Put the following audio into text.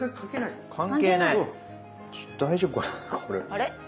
あれ？